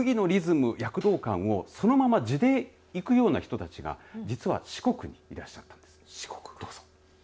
このブギのリズム、躍動感をそのまま地でいくような人たちが実は、四国にいらっしゃったんです。